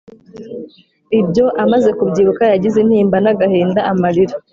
Ibyo amaze kubyibuka yagize intimba n’agahinda amarira